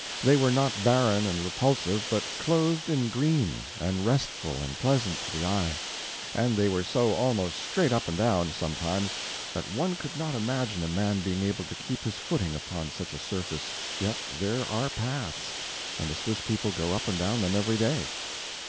They were not barren and repulsive, but clothed in green, and restful and pleasant to the eye. And they were so almost straight up and down, sometimes, that one could not imagine a man being able to keep his footing upon such a surface, yet there are paths, and the Swiss people go up and down them every day.